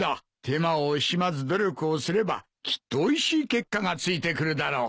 手間を惜しまず努力をすればきっとおいしい結果がついてくるだろう。